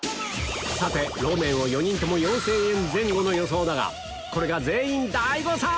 さてローメンを４人とも４０００円前後の予想だがこれが全員大誤算‼